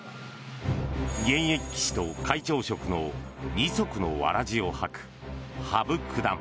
現役棋士と会長職の二足のわらじを履く羽生九段。